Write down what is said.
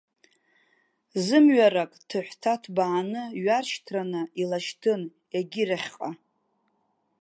Зымҩарак, ҭыҳәҭа ҭбааны, ҩаршьҭраны илашьҭын, егьирахьҟа.